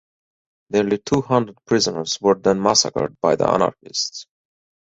Nearly two hundred prisoners were then massacred by the anarchists.